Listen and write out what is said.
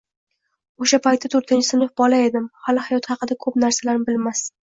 Oʻsha payti toʻrtinchi sinf bola edim, hali hayot haqida koʻp narsalarni bilmasdim.